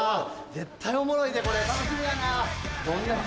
絶対おもろいでこれ楽しみやな。